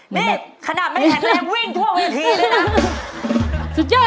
นี่ขนาดไม่แข็งแรงวิ่งทั่ววิทีด้วยนะ